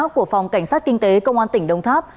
của phòng cảnh sát kinh tế công an tỉnh đồng tháp